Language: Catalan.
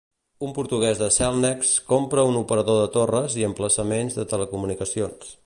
Un portuguès de Cellnex compra un operador de torres i emplaçaments de telecomunicacions.